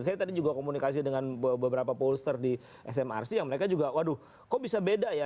saya tadi juga komunikasi dengan beberapa pollster di smrc yang mereka juga waduh kok bisa beda ya